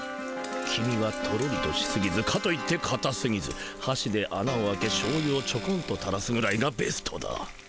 黄身はトロリとしすぎずかといってかたすぎずはしであなを開けしょうゆをちょこんとたらすぐらいがベストだ。